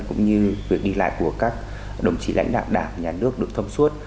cũng như việc đi lại của các đồng chí lãnh đạo đảng nhà nước được thông suốt